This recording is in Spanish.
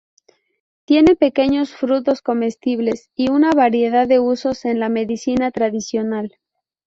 Tiene pequeños frutos comestibles y una variedad de usos en la medicina tradicional.